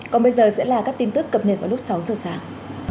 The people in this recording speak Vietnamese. còn bây giờ sẽ là các tin tức cập nhật vào lúc sáu giờ sáng